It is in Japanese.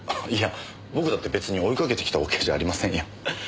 いや僕だって別に追いかけてきたわけじゃありませんよ。